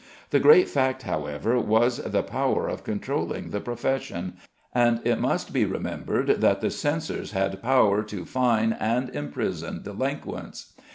The great fact, however, was the power of controlling the profession, and it must be remembered that the censors had power to fine and imprison delinquents.